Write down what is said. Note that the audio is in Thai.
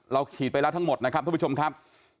ขีดไปแล้วทั้งหมดนะครับทุกผู้ชมครับ